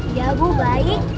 iya bu baik